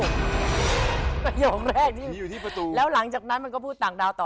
พระโยคแรกที่แล้วหลังจากนั้นมันก็พูดต่างดาวต่อ